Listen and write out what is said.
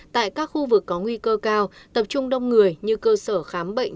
tại các khu vực có nguy cơ cao tập trung đông người như cơ sở khám bệnh